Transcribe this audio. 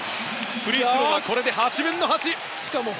フリースローはこれで８分の８。